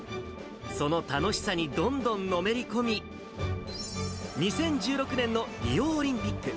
その楽しさにどんどんのめり込み、２０１６年のリオオリンピック。